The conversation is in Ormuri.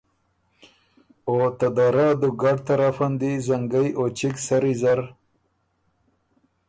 او ته دَرَۀ دُوګډ طرفن دی زنګئ او چِګ سری زر